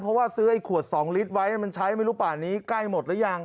เพราะว่าซื้อไอ้ขวด๒ลิตรไว้มันใช้ไม่รู้ป่านนี้ใกล้หมดหรือยัง